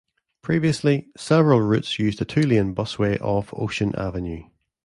Previously, several routes used a two-lane busway off Ocean Avenue.